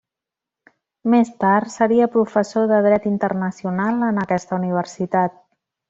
Més tard seria professor de dret internacional en aquesta universitat.